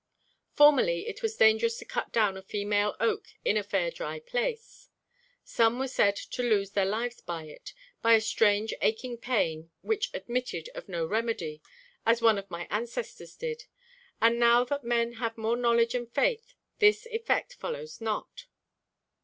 Formerly, it was dangerous to cut down a female oak in a fair dry place. 'Some were said to lose their lives by it, by a strange aching pain which admitted of no remedy, as one of my ancestors did; but now that men have more knowledge and faith, this effect follows not.'